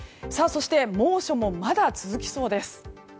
猛暑も、まだ続きそうです。